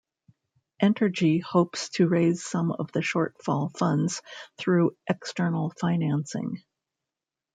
Entergy hopes to raise some of the shortfall funds through "external financing".